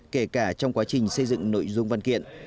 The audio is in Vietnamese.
kể cả trong quá trình xây dựng nội dung văn kiện